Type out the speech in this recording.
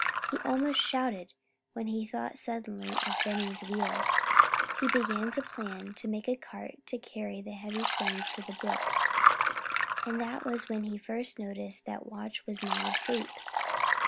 He almost shouted when he thought suddenly of Benny's wheels. He began to plan to make a cart to carry the heavy stones to the brook. And that was when he first noticed that Watch was not asleep.